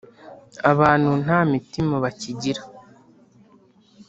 Abantu nta mitima bakigira